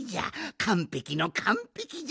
かんぺきのかんぺきじゃ！